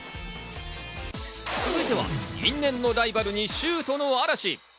続いては因縁のライバルにシュートの嵐。